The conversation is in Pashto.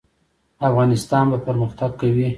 افغانستان به پرمختګ کوي؟